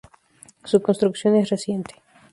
Su construcción es reciente.